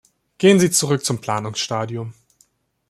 Gehen Sie zurück zum Planungsstadium.